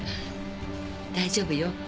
大丈夫よ。